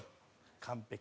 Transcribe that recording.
完璧。